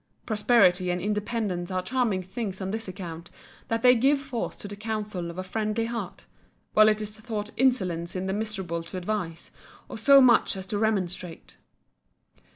Prosperity and independence are charming things on this account, that they give force to the counsels of a friendly heart; while it is thought insolence in the miserable to advise, or so much as to remonstrate.